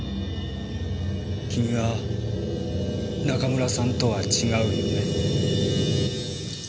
君は中村さんとは違うよね？